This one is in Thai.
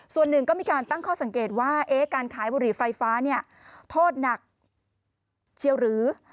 ส่วนหนึ่งก็มีการตั้งข้อสังเกตว่าการขายบุหรี่ไฟฟ้าเนี่ยโทษหนักเชียวหรือ